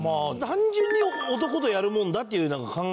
単純に男とやるもんだっていう考え。